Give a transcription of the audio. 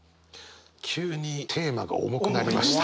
急にテーマが重くなりました。